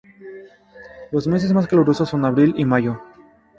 Los meses más calurosos son abril y mayo.